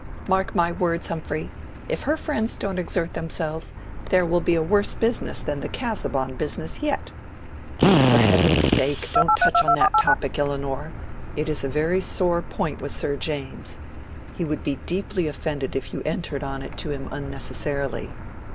Mark my words, Humphrey. If her friends don't exert themselves, there will be a worse business than the Casaubon business yet." "For heaven's sake don't touch on that topic, Elinor! It is a very sore point with Sir James. He would be deeply offended if you entered on it to him unnecessarily."